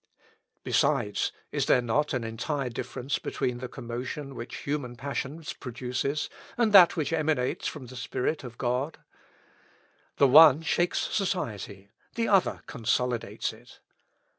Besides, is there not an entire difference between the commotion which human passions produces and that which emanates from the Spirit of God? The one shakes society, the other consolidates it.